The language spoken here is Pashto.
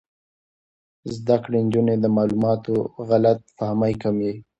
زده کړې نجونې د معلوماتو غلط فهمۍ کموي.